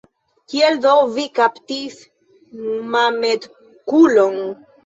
Kiel do vi kaptis Mametkulon?